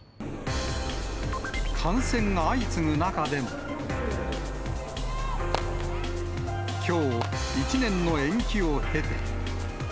感染が相次ぐ中でもきょう、１年の延期を経て。